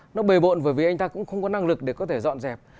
nó bề bộn bởi vì anh ta cũng không có năng lực để có thể dọn dẹp